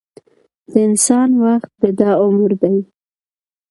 د انسان وخت دده عمر دی.